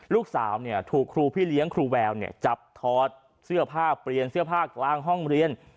ลูกสาวถูกครูพี่เลี้ยงครูแววจับถอดเสื้อผ้าเปลี่ยนเสื้อผ้ากลางห้องเรียน